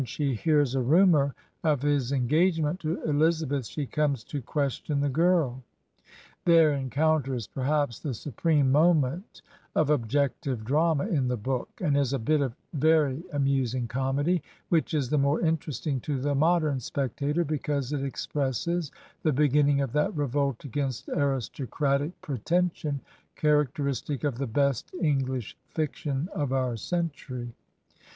^ hears a rumor of his engagement to Elizabeth, she comes to question the girl. Their encounter is perhaps the supreme mo ment of objective drama in the book, and is a bit of very amusing comedy, which is the more interesting to the modem spectator because it expresses the beginning of that revolt against aristocratic pretension character istic of the best EngUsh fiction of our century.